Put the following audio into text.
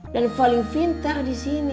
dan paling pintar di sini